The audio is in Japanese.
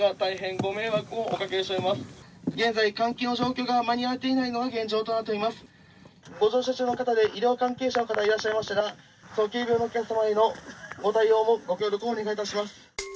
ご乗車中の方で、医療関係者の方いらっしゃいましたら、急病のお客様へのご対応をご協力お願いいたします。